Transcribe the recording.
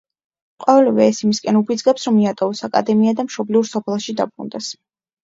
ყოველივე ეს იმისკენ უბიძგებს, რომ მიატოვოს აკადემია და მშობლიურ სოფელში დაბრუნდეს.